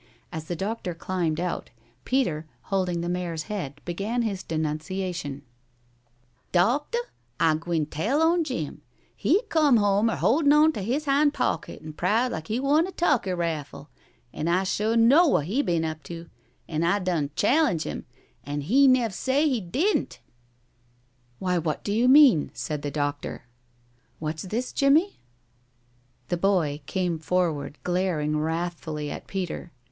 As the doctor climbed out, Peter, holding the mare's head, began his denunciation: "Docteh, I gwine tell on Jim. He come home er holdin' on to his hind pocket, an' proud like he won a tuhkey raffle, an' I sure know what he been up to, an' I done challenge him, an' he nev' say he didn't." "Why, what do you mean?" said the doctor. "What's this, Jimmie?" The boy came forward, glaring wrathfully at Peter.